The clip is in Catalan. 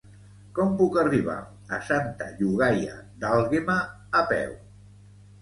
Com puc arribar a Santa Llogaia d'Àlguema a peu?